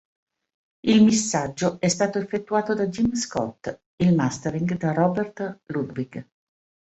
Il missaggio è stato effettuato da Jim Scott, il mastering da Robert Ludwig.